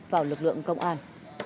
vào lực lượng công an